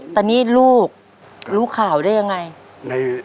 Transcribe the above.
ตอนนี้ลูกรู้ข่าวได้อย่างไร